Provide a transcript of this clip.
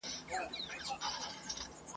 درته ایښي د څپلیو دي رنګونه !.